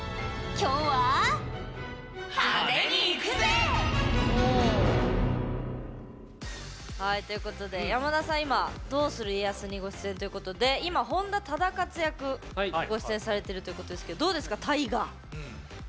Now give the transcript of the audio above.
今日は派手にいくぜ！ということで山田さんは今、「どうする家康」にご出演ということで今、本多忠勝役でご出演されているということですがどうですか、大河。